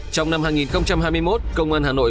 trong năm hai nghìn hai mươi một công an hà nội